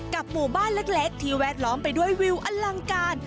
หมู่บ้านเล็กที่แวดล้อมไปด้วยวิวอลังการ